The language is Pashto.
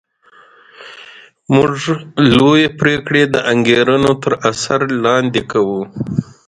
موږ لویې پرېکړې د انګېرنو تر اثر لاندې کوو